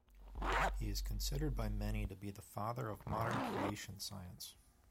He is considered by many to be the father of modern creation science.